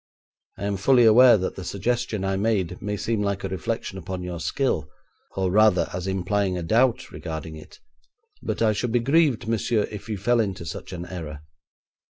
I am fully aware that the suggestion I made may seem like a reflection upon your skill, or rather, as implying a doubt regarding it. But I should be grieved, monsieur, if you fell into such an error.